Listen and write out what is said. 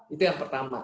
itu yang pertama